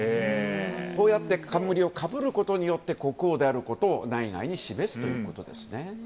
こうやって冠をかぶることによって国王であることを内外に示すということですね。